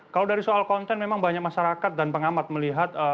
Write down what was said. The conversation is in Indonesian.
kalau dari soal konten memang banyak masyarakat dan pengamat melihat